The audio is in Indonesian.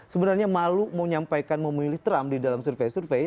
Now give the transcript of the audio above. sebenarnya malu menyampaikan memilih trump di dalam survei survei